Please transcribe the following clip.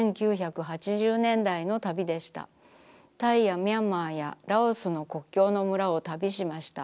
タイやミャンマーやラオスの国境の村を旅しました。